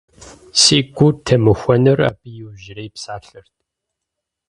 Си гум темыхуэнур абы и иужьрей псалъэрт.